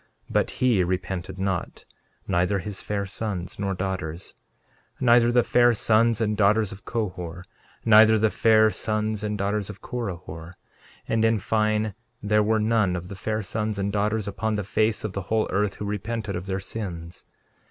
13:17 But he repented not, neither his fair sons nor daughters; neither the fair sons and daughters of Cohor; neither the fair sons and daughters of Corihor; and in fine, there were none of the fair sons and daughters upon the face of the whole earth who repented of their sins.